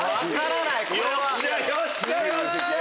よっしゃよっしゃ！